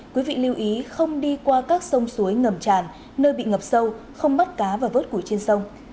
quý vị lưu ý không đi qua các sông suối ngầm tràn nơi bị ngập sâu không bắt cá và vớt củi trên sông